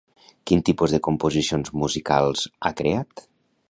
Quin tipus de composicions musicals ha creat?